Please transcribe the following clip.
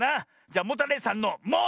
じゃモタレイさんの「モ」！